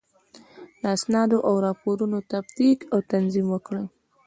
د اسنادو او راپورونو تفکیک او تنظیم وکړئ.